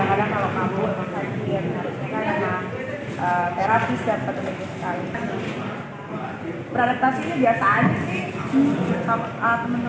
alhamdulillah juga punya kondisi yang sulangnya ada di rumah sakit jadi memang agaknya kadang kadang kalau mampu